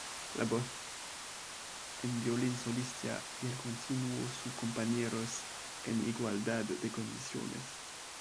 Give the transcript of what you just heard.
La voz, un violín solista y el continuo son compañeros en igualdad de condiciones.